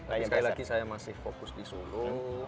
lagi lagi saya masih fokus di solo